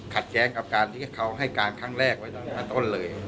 ขัดแย้งกับการที่เธอให้การขั้งแรกไว้ตอนเลย